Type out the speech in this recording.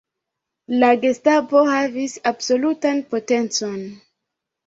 La Gestapo havis absolutan potencon.